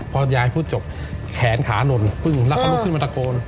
พอยายพูดจบแขนขาหล่นปึ้งแล้วเขาลุกขึ้นมาตะโกน